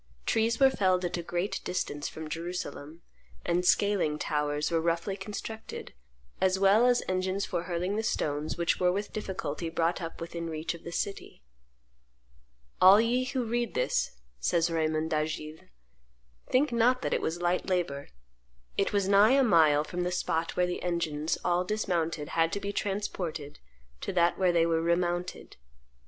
Trees were felled at a great distance from Jerusalem; and scaling towers were roughly constructed, as well as engines for hurling the stones which were with difficulty brought up within reach of the city. "All ye who read this," says Raymond d'Agiles, "think not that it was light labor; it was nigh a mile from the spot where the engines, all dismounted, had to be transported to that where they were remounted."